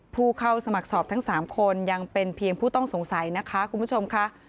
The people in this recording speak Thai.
ผู้เข้าสมัครสอบทั้ง๓คนยังเป็นเพียงผู้ต้องสงสัยนะคะคุณผู้ชมค่ะ